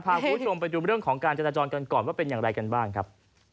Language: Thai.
พาคุณผู้ชมไปดูเรื่องของการจราจรกันก่อนว่าเป็นอย่างไรกันบ้างครับ